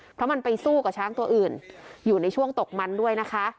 เพราะมันไปสู้กับช้างตัวอื่นอยู่ในช่วงตกมันด้วยนะคะ